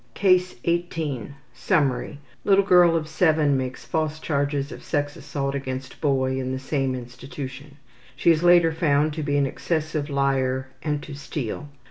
CASE 18 Summary: Little girl of 7 makes false charges of sex assault against boy in the same institution. She is later found to be an excessive liar and to steal.